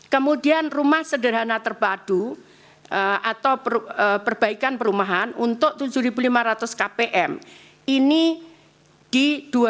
kemudian rumah sederhana terpadu atau perbaikan perumahan untuk tujuh lima ratus kpm ini di dua ribu dua puluh